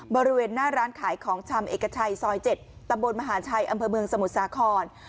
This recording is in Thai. บริเวณหน้าร้านขายของชำเอกชัยซอย๗ตำบลมหาชัยอำเภอเมืองสมุทรสาคร